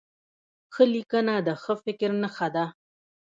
ښه لیکنه د ښه فکر نښه ده.